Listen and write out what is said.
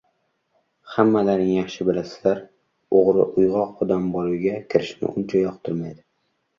Hammalaring yaxshi bilasizlar, oʻgʻri uygʻoq odam bor uyga kirishni uncha yoqtirmaydi.